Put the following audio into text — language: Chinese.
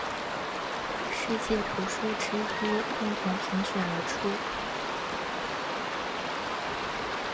世界图书之都共同评选而出。